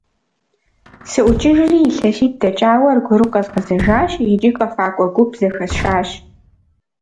СыӀукӀыжри, илъэситӀ дэкӀауэ аргуэру къэзгъэзэжащ икӀи къэфакӀуэ гуп зэхэсшащ.